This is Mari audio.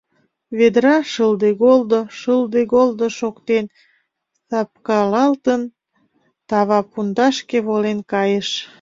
Ведра, шылде-голдо, шылде-голдо шоктен, сапкалалтын, таве пундашке волен кайыш.